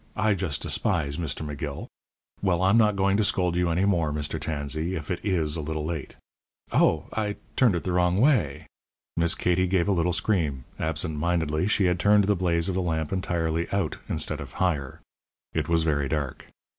I just despise Mr. McGill. Well, I'm not going to scold you any more, Mr. Tansey, if it is a little late Oh! I turned it the wrong way!" Miss Katie gave a little scream. Absent mindedly she had turned the blaze of the lamp entirely out instead of higher. It was very dark.